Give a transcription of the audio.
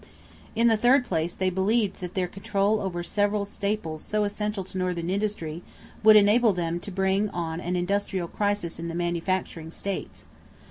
In the third place, they believed that their control over several staples so essential to Northern industry would enable them to bring on an industrial crisis in the manufacturing states.